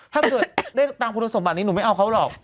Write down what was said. ถ้าเกิดได้ตามคุณสมบัตินี้หนูไม่เอาเขาหรอก